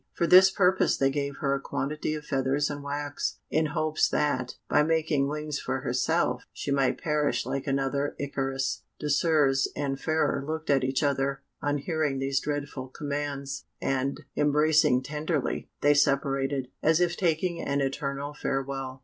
For this purpose they gave her a quantity of feathers and wax, in hopes that, by making wings for herself, she might perish like another Icarus. Désirs and Fairer looked at each other on hearing these dreadful commands, and, embracing tenderly, they separated, as if taking an eternal farewell.